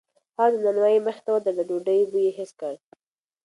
هغه د نانوایۍ مخې ته ودرېد او د ډوډۍ بوی یې حس کړ.